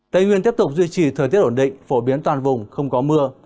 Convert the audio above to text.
tây nguyên tiếp tục duy trì thời tiết ổn định phổ biến toàn vùng không có mưa